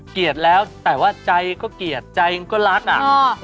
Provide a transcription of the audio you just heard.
เกลียดแล้วแต่ว่าใจก็เกลียดใจก็รักอ่ะ